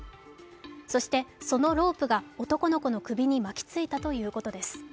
そして、そのロープが男の子の首に巻きついたということです。